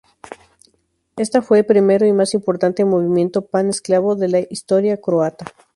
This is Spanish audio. Esta fue el primero y más importante movimiento pan-eslavo de la historia croata.